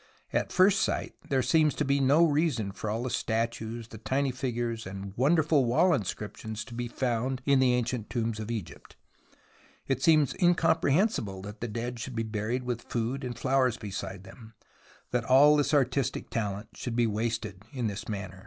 At first sight there seems to be no reason for all the statues, the tiny figures, and wonderful wall inscriptions to be found in the ancient tombs of Egypt. It seems incomprehensible that the dead should be buried with food and flowers beside them, that all this artistic talent should be wasted in this manner.